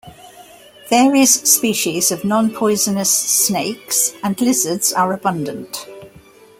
Various species of non-poisonous snakes and lizards are abundant.